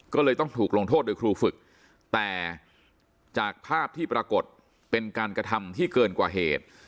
ก็เลยต้องถูกลงโทษโดยครูฝึกแต่จากภาพที่ปรากฏเป็นการกระทำที่เกินกว่าเหตุ